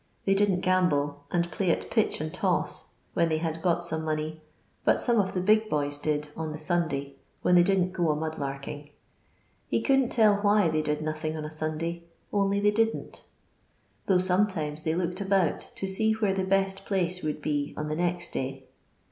They didn't gamble, and play at pitch and toss when they hsid got aome money, but some of the big boys did on the Sunday, when they didn't go a mud btfking. He couldn't tell why they did nothing on a Sunday, " only they didn't ;'* though sometimes they looked about to see where the bMt pUce would be on the next day.